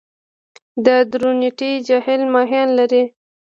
د درونټې جهیل ماهیان لري؟